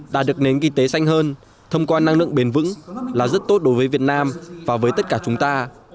đạt được nền kinh tế xanh hơn thông qua năng lượng bền vững là rất tốt đối với việt nam và với tất cả chúng ta